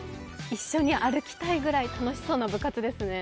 一緒に歩きたいぐらい楽しそうな部活ですね。